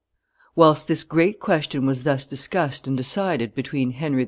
Whilst this great question was thus discussed and decided between Henry IV.